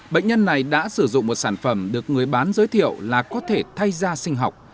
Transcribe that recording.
bệnh nhân này đã sử dụng một sản phẩm được người bán giới thiệu là có thể thay da sinh học